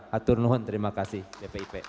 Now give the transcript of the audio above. hatur nuhon terima kasih bpip